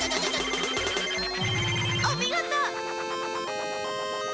おみごと！